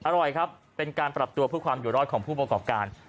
อร่อยครับเป็นการปรับตัวเพื่อความอยู่รอดของผู้ประกอบการ